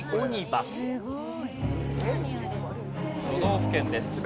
都道府県です。